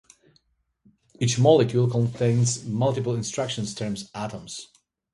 Each "molecule" contains multiple instructions, termed "atoms".